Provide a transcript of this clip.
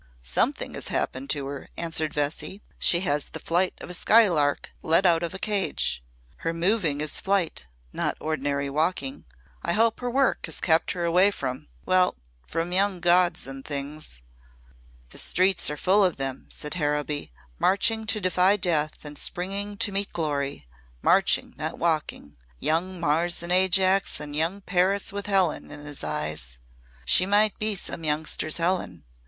"Something has happened to her," answered Vesey. "She has the flight of a skylark let out of a cage. Her moving is flight not ordinary walking. I hope her work has kept her away from well, from young gods and things." "The streets are full of them," said Harrowby, "marching to defy death and springing to meet glory marching not walking. Young Mars and Ajax and young Paris with Helen in his eyes. She might be some youngster's Helen!